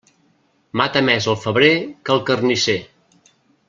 Mata més el febrer que el carnisser.